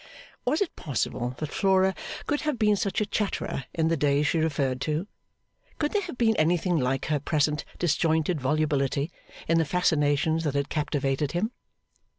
Was it possible that Flora could have been such a chatterer in the days she referred to? Could there have been anything like her present disjointed volubility in the fascinations that had captivated him?